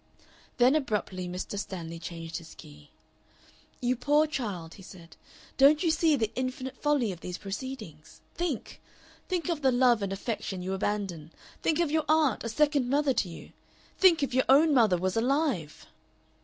Then abruptly Mr. Stanley changed his key. "You poor child!" he said; "don't you see the infinite folly of these proceedings? Think! Think of the love and affection you abandon! Think of your aunt, a second mother to you. Think if your own mother was alive!"